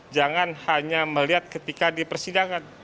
jangan hanya melihat ketika dipersidangan